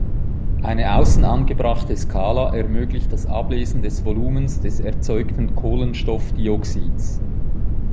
Eine außen angebrachte Skala ermöglicht das Ablesen des Volumens des erzeugten Kohlenstoffdioxids.